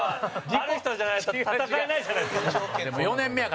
あの人じゃないと戦えないじゃないですか。